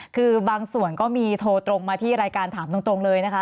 คือบางส่วนก็มีโทรตรงมาที่รายการถามตรงเลยนะคะ